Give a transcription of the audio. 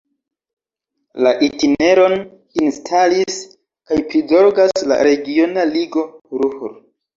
La itineron instalis kaj prizorgas la Regiona Ligo Ruhr.